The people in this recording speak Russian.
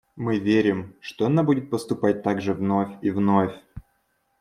Мы верим, что она будет поступать так же вновь и вновь.